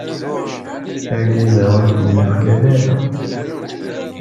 Argaz-a ur kem-yuklal ara.